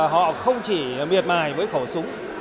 họ không chỉ miệt mài với khẩu súng